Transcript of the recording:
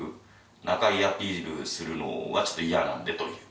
仲いいアピールをするのはちょっと嫌なんでという。